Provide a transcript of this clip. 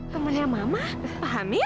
kamu lihat mama paham ya